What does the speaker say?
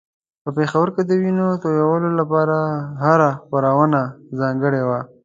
په پېښور کې د وينو تویولو لپاره هره خپرونه ځانګړې وه.